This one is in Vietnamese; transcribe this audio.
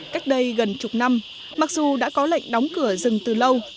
cách đây gần chục năm mặc dù đã có lệnh đóng cửa rừng từ lâu